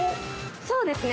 ◆そうですね。